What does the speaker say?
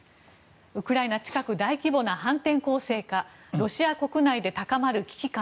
ウクライナ、近く大規模な反転攻勢かロシア国内で高まる危機感。